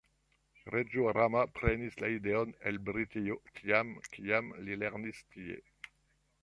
Reĝo Rama prenis la ideon el Britio tiam, kiam li lernis tie.